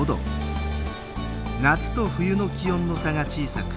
夏と冬の気温の差が小さく